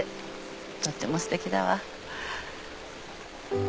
とってもすてきだわ。